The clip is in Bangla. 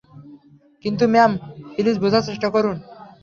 কিন্তু, ম্যাম, প্লিজ বুঝার চেষ্টা করুন।